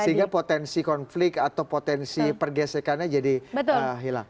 sehingga potensi konflik atau potensi pergesekannya jadi hilang